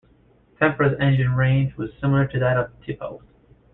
The Tempra's engine range was similar to that of the Tipo.